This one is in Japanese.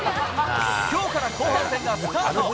きょうから後半戦がスタート。